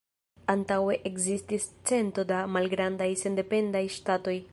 Antaŭe ekzistis cento da malgrandaj sendependaj ŝtatoj.